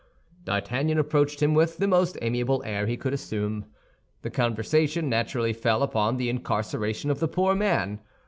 D'Artagnan approached him with the most amiable air he could assume. The conversation naturally fell upon the incarceration of the poor man.